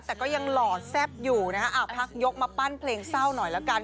แต่ก็ยังหล่อแซ่บอยู่นะฮะพักยกมาปั้นเพลงเศร้าหน่อยละกัน